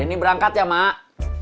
denny berangkat ya mak